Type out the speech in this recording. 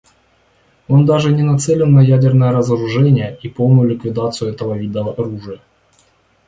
Он даже не нацелен на ядерное разоружение и полную ликвидацию этого вида оружия.